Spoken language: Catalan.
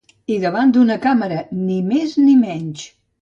I davant d'una càmera, ni més ni menys!